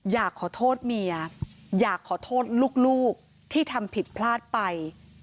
อยากขอโทษเมียอยากขอโทษลูกที่ทำผิดพลาดไป